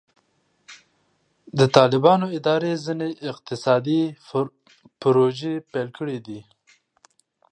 د طالبانو اداره ځینې اقتصادي پروژې پیل کړي دي.